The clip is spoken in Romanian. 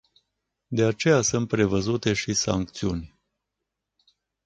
De aceea sunt prevăzute și sancțiuni.